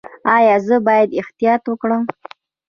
ایا زه باید احتیاط وکړم؟